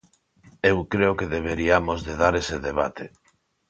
Eu creo que deberiamos de dar ese debate.